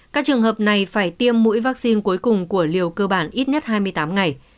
các trường hợp này phải tiêm mũi vaccine cuối cùng của liều cơ bản ít nhất hai mươi tám ngày